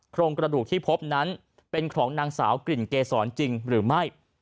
โครงกระดูกที่พบนั้นเป็นของนางสาวกลิ่นเกษรจริงหรือไม่